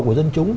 của dân chúng